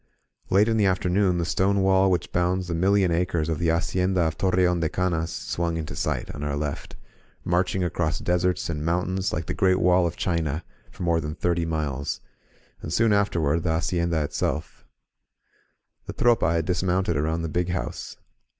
Late in the afternoon the stone wall which bounds the million acres of the Hacienda of Torreon de Canas swung into sight on our left, marching across deserts and mountains like the Great Wall of China, for more than thirty miles; and, soon afterward, the hacienda itself. The Tropa had dismounted around the Big House.